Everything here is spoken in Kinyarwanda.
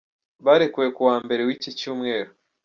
Barekuwe ku wa Mbere w’iki cyumweru.